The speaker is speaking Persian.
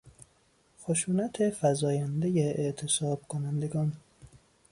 خشونت فزایندهی اعتصابکنندگان